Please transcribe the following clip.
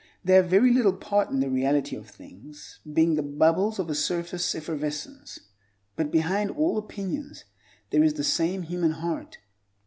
They have very little part in the reality of things, being the bubbles of a surface effervescence. But behind all opinions there is the same human heart.